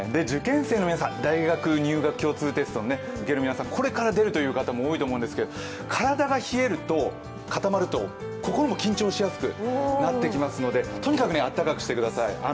受験生の皆さん、大学入学共通テストを受ける皆さん、これから出るという方も多いと思うんですけれども、体が光ると固まると、心も緊張しやすくなっていきますので、とにかくあったかくしてください。